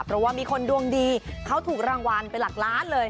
เพราะว่ามีคนดวงดีเขาถูกรางวัลเป็นหลักล้านเลย